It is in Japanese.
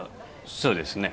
そうですね